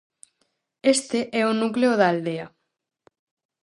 Este é o núcleo da aldea.